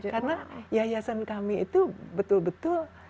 karena yayasan kami itu betul betul